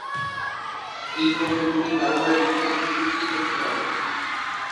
এই পণ্যগুলির ব্যবহারের জন্য একটি চুক্তি করতে হবে।